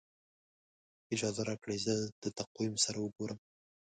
اجازه راکړئ زما د تقویم سره وګورم.